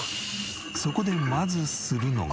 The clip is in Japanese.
そこでまずするのが。